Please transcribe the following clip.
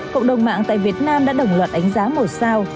cộng đồng mạng tại việt nam đã đồng luận ánh giá một sao